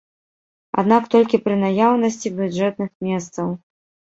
Аднак толькі пры наяўнасці бюджэтных месцаў.